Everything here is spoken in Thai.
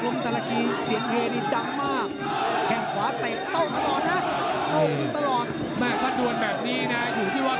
มีกินลำตัวมีเตะขวา